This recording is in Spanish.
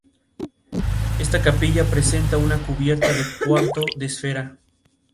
Esta capilla presenta una cubierta de cuarto de esfera.